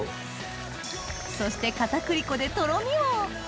そして片栗粉でとろみを！